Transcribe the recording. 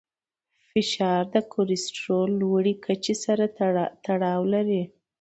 فشار د کورټیسول لوړې کچې سره تړاو لري.